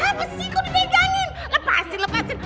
apa sih kok dipegangin lepasin lepasin